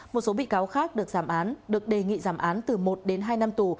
một số bị cáo khác được giảm án được đề nghị giảm án từ một đến hai năm tù